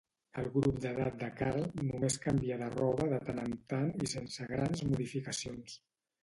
El grup d'edat de Carl només canvia de roba de tant en tant i sense grans modificacions.